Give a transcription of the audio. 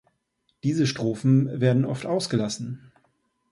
Diese Strophen werden oft ausgelassen.